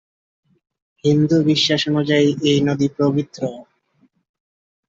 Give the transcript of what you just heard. হিন্দু বিশ্বাস অনুযায়ী এই নদী পবিত্র।